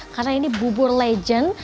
karena ini bubur legend